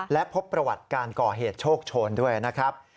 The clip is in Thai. และพบประวัติการก่อเหตุโชคโชนด้วยนะครับ